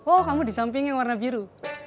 oh kamu di samping yang warna biru